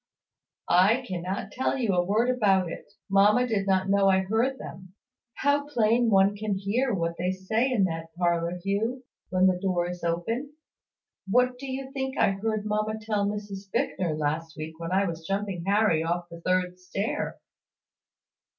"I cannot tell you a word about it. Mamma did not know I heard them. How plain anyone can hear what they say in that parlour, Hugh, when the door is open! What do you think I heard mamma tell Mrs Bicknor, last week, when I was jumping Harry off the third stair?"